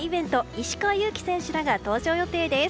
石川祐希選手らが登場予定です。